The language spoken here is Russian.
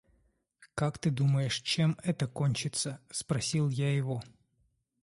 «Как ты думаешь, чем это кончится?» – спросил я его.